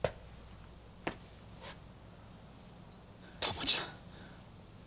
珠ちゃん。